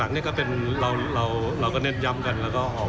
แล้วก็ออกมาเป็นธรรมชาติมากเพราะว่าเขาก็ลดความขนกันอะไรต่าง